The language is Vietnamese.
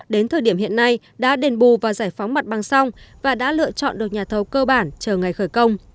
đến thời điểm hiện nay đã đền bù và giải phóng mặt bằng xong và đã lựa chọn được nhà thầu cơ bản chờ ngày khởi công